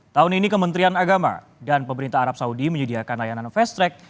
tahun ini kementerian agama dan pemerintah arab saudi menyediakan layanan fast track